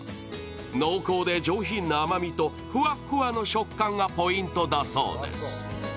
濃厚で上品な甘みとふわっふわな食感がポイントだそうです。